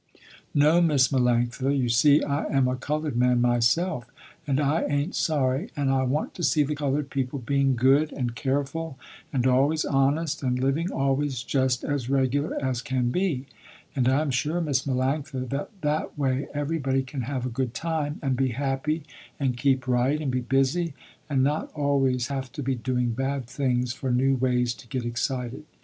No Miss Melanctha, you see I am a colored man myself and I ain't sorry, and I want to see the colored people being good and careful and always honest and living always just as regular as can be, and I am sure Miss Melanctha, that that way everybody can have a good time, and be happy and keep right and be busy, and not always have to be doing bad things for new ways to get excited.